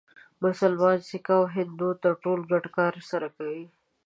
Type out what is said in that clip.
مسلمان، سیکه او هندو ټول ګډ کار سره کوي.